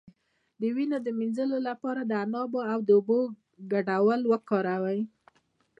د وینې د مینځلو لپاره د عناب او اوبو ګډول وکاروئ